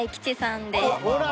ほら！